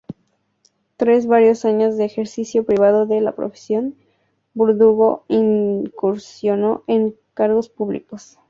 Tras varios años de ejercicio privado de la profesión, Verdugo incursionó en cargos públicos.